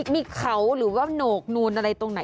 มีเขาหรือว่าโหนกนูนอะไรตรงไหน